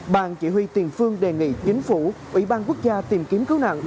bàn chỉ huy tiền phương đề nghị chính phủ ủy ban quốc gia tìm kiếm cứu nạn